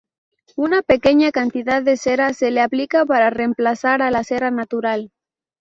Una pequeña cantidad de cera se le aplica para reemplazar a la cera natural.